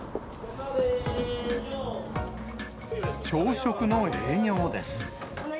朝食の営業です。